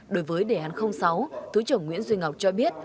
đối với đề án sáu thứ trưởng nguyễn duy ngọc cho biết